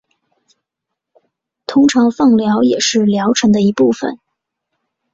通常放疗也是疗程的一部分。